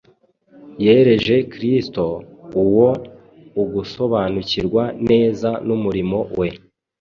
Yerereje Kristo, uwo ugusobanukirwa neza n’umurimo we